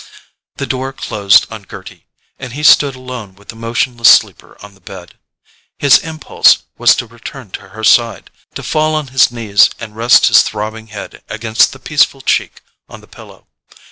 The door closed on Gerty, and he stood alone with the motionless sleeper on the bed. His impulse was to return to her side, to fall on his knees, and rest his throbbing head against the peaceful cheek on the pillow.